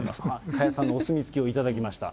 加谷さんのお墨付きを頂きました。